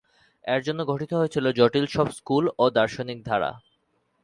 এর জন্য গঠিত হয়েছিল জটিল সব স্কুল ও দার্শনিক ধারা।